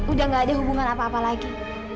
udah gak ada hubungan apa apa lagi